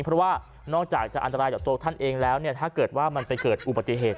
เพราะว่านอกจากจะอันตรายต่อตัวท่านเองแล้วถ้าเกิดว่ามันไปเกิดอุบัติเหตุ